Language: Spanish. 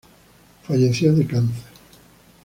Falleció de cáncer.